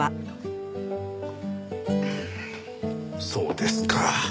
そうですか。